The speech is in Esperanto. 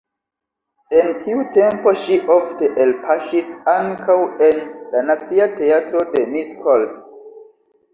En tiu tempo ŝi ofte elpaŝis ankaŭ en la Nacia Teatro de Miskolc.